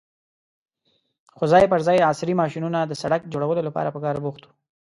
خو ځای پر ځای عصرې ماشينونه د سړک جوړولو لپاره په کار بوخت وو.